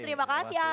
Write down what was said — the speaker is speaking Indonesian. terima kasih arafatah